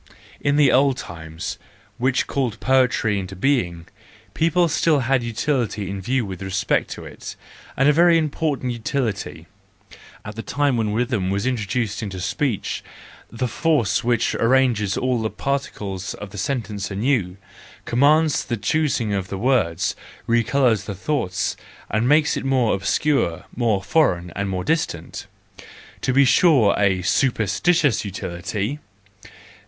In the old times which called poetry into being, people had still utility in view' with respect to it, and a very important utility— at the time when rhythm was introduced into speech, the force which arranges all the particles of the sentence anew, commands the choosing of the words, recolours the thought, and makes it more obscure, more foreign, and more distant: to be sure a superstitious utility!